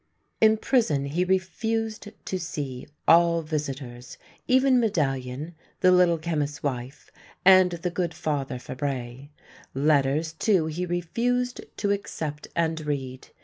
In prison he refused to see all visitors, even Medal lion, the Little Chemist's wife, and the good Father Fabre. Letters, too, he refused to accept and read.